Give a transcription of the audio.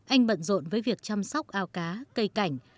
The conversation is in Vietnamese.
anh bận rộn với việc chăm sóc ao cá cây cảnh